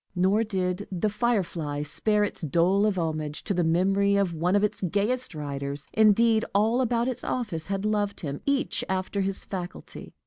Nor did "The Firefly" spare its dole of homage to the memory of one of its gayest writers. Indeed, all about its office had loved him, each after his faculty.